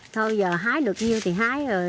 thôi giờ hái được như thì hái rồi